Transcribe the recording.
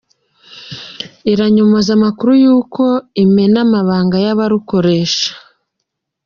iranyomoza amakuru y’uko imena amabanga y’abarukoresha